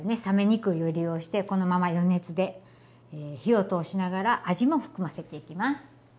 冷めにくいを利用してこのまま余熱で火を通しながら味も含ませていきます。